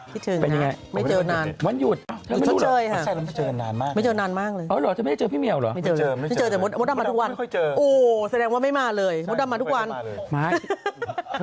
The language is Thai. ที่เจอนานห์ไม่เจอกันนานห์ไม่เจอกันนานห์ปางแหง